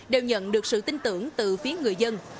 đều nhận được sự tin tưởng từ phía người dân